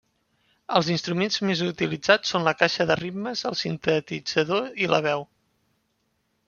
Els instruments més utilitzats són la Caixa de ritmes, el sintetitzador i la veu.